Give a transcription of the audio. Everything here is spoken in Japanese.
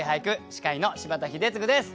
司会の柴田英嗣です。